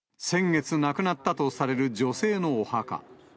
先月亡くなったとされる女性のお墓。